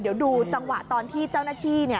เดี๋ยวดูจังหวะตอนที่เจ้าหน้าที่